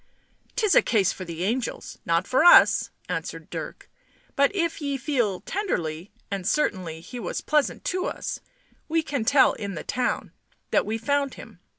" 'Tis a case for the angels, not for us," answered Dirk. " But if ye feel tenderly (and certainly he was pleasant to us) we can tell in the town, that we found him.